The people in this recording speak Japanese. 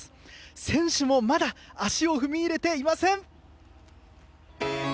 選手もまだ足を踏み入れていません。